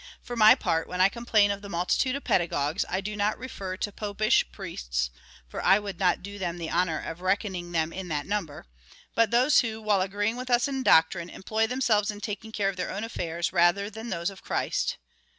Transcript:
For my part, when I complain of the multitude oi pedagogues, I do not refer to Popish priests, (for I would not do them the honour of reckoning them in that number,) but those who, while agreeing with us in doctrine, employ themselves in taking care of their own affairs, rather than those of Christ.